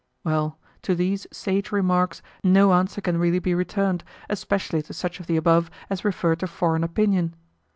Well, to these sage remarks no answer can really be returned, especially to such of the above as refer to foreign opinion.